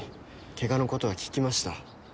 ケガのことは聞きました。